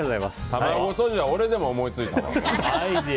卵とじは俺でも思いついたわ！